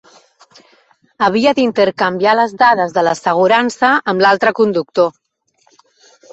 Havia d'intercanviar les dades de l'assegurança amb l'altre conductor.